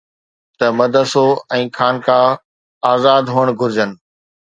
ته مدرسو ۽ خانقاه آزاد هئڻ گهرجن